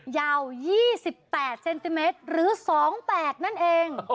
ยาว๒๘เซนติเมตรหรือ๒๘นั่นเอง